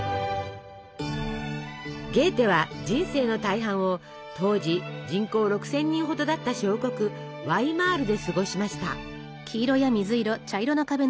ゲーテは人生の大半を当時人口６，０００人ほどだった小国ワイマールで過ごしました。